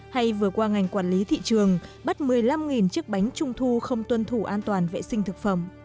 hay vừa qua ngành quản lý thị trường bắt một mươi năm chiếc bánh trung thu không tuân thủ an toàn vệ sinh thực phẩm